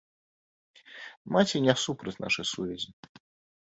Маці не супраць нашай сувязі.